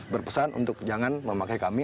berpesan untuk jangan memakai kami